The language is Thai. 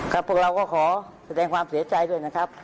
พวกเราก็ขอแสดงความเสียใจด้วยนะครับ